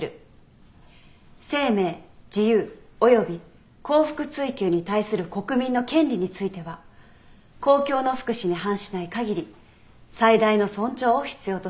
生命自由及び幸福追求に対する国民の権利については公共の福祉に反しない限り最大の尊重を必要とする。